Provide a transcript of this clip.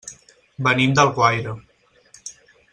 Venim d'Alguaire.